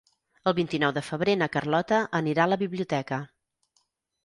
El vint-i-nou de febrer na Carlota anirà a la biblioteca.